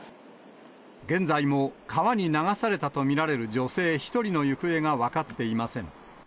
現在も川に流されたと見られる女性１人の行方が分かっていません。